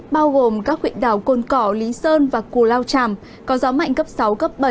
bao gồm các huyện đảo côn cỏ lý sơn và cù lao tràm có gió mạnh cấp sáu cấp bảy